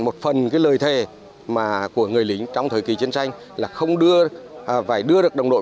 một phần cái lời thề mà của người lính trong thời kỳ chiến tranh là không phải đưa được đồng đội